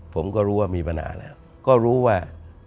ผมก็รู้ว่ามีปัญหาแล้วก็รู้ว่า